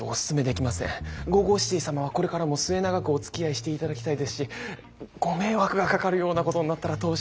ＧＯＧＯＣＩＴＹ様はこれからも末永くおつきあいして頂きたいですしご迷惑がかかるようなことになったら当社は。